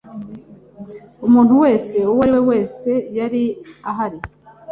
Umuntu wese uwo ari we wese yari ahari.